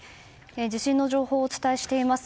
地震の情報をお伝えしています。